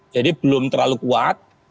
jadi belum terlalu kuat